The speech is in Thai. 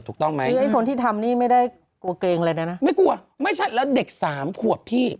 ถูกต้องไหมคือไอ้คนที่ทำนี่ไม่ได้กลัวเกรงอะไรเลยนะไม่กลัวไม่ใช่แล้วเด็กสามขวบพี่